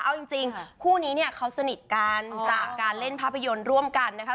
เอาจริงคู่นี้เนี่ยเขาสนิทกันจากการเล่นภาพยนตร์ร่วมกันนะคะ